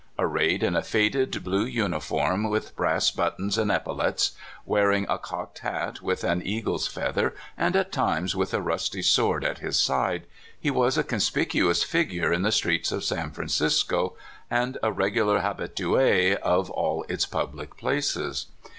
Ar rayed in a faded blue uniform, with brass but tons and epaulets, wearing a cocked hat wdth an eagle's feather, and at times with a rusty sword at\is side, he was a conspicuous figure in the streets of San Francisco, and a regular habitue of all its public places.